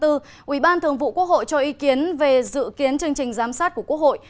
ubthqh cho ý kiến về dự kiến chương trình giám sát của quốc hội